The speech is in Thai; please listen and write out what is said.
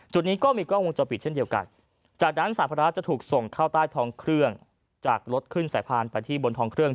นี้ก็มีกล้องวงจรปิดเช่นเดียวกันจากนั้นสาธารณะจะถูกส่งเข้าใต้ท้องเครื่องจากรถขึ้นสายพานไปที่บนท้องเครื่อง